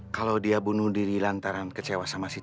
kalau dia bunuh diri lantaran kecewa sama si